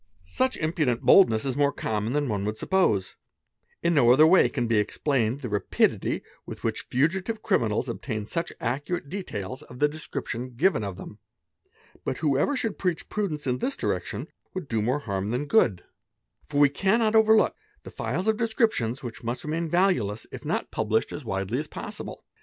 _ Such impudent boldness is more common than one would suppose : in no other way can be explained the rapidity with which fugitive crimi ~ nals obtain such accurate details of the description given of them. But __ whoever should preach prudence in this direction would do more harm _ than good; for we cannot overlook the files of descriptions which must "Yemain valueless if not published as widely as possible.